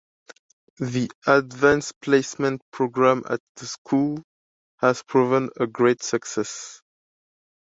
The Advanced Placement program at the school has proven a great success.